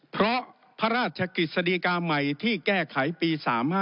เพราะพระราชกฤษฎีกาใหม่ที่แก้ไขปี๓๕